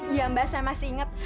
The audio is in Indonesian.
iya mbah saya masih inget